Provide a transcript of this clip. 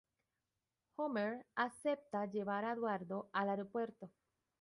Homer acepta llevar a Eduardo al aeropuerto.